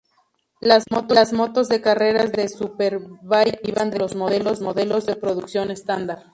Las motos de carreras de Superbike se derivan de los modelos de producción estándar.